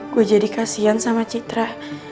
gue jadi kasian sama citra